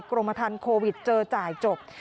กรมทันโควิดเจอจ่ายจบ